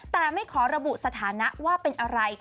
แต่ไม่ขอระบุสถานะว่าเป็นอะไร